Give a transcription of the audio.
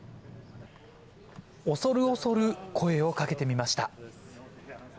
恐る恐る声をかけてみました。